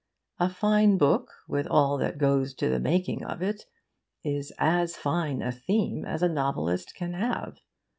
A fine book, with all that goes to the making of it, is as fine a theme as a novelist can have.